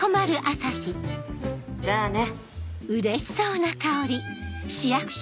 じゃあね。